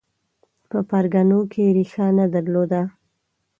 په پرګنو کې ریښه نه درلوده